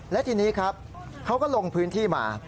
และทีนี้ครับเขาก็ลงพื้นที่มา